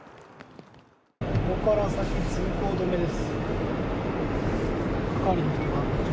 ここから先は通行止めです。